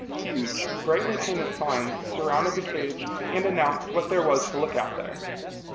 Huge brightly painted signs surrounded the cage and announced what there was to look at there.